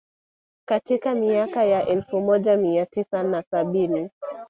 Katika miaka ya elfu moja mia tisa na sabini